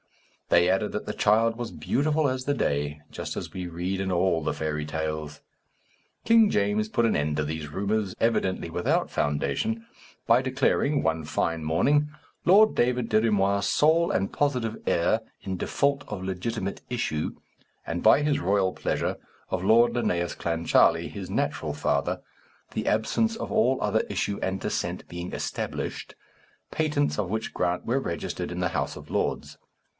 They added that the child was beautiful as the day, just as we read in all the fairy tales. King James put an end to these rumours, evidently without foundation, by declaring, one fine morning, Lord David Dirry Moir sole and positive heir in default of legitimate issue, and by his royal pleasure, of Lord Linnæus Clancharlie, his natural father, the absence of all other issue and descent being established, patents of which grant were registered in the House of Lords.